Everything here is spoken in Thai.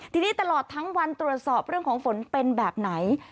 ทีนี้ตลอดทั้งวันตรวจสอบเรื่องของฝนเป็นแบบไหน